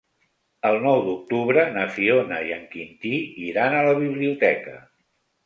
El nou d'octubre na Fiona i en Quintí iran a la biblioteca.